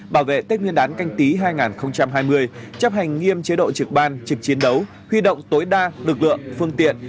bảo vệ tết nguyên đán canh tí hai nghìn hai mươi chấp hành nghiêm chế độ trực ban trực chiến đấu huy động tối đa lực lượng phương tiện